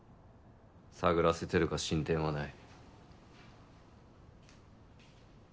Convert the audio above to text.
探らせてるが進展はない。